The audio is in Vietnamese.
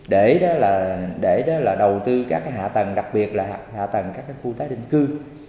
để đó là đầu tư các hạ tầng đặc biệt là hạ tầng các khu tái định cư